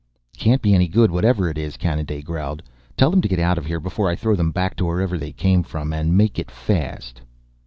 "Can't be any good, whatever it is," Kanaday growled. "Tell them to get out of here before I throw them back to wherever they came from. And make it fast."